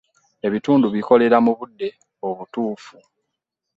Ebintu babikolera mu budde obutuufu.